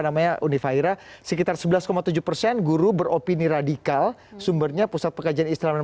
namanya uni fahira sekitar sebelas tujuh persen guru beropini radikal sumbernya pusat pekajian islam dan